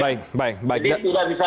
jadi sudah bisa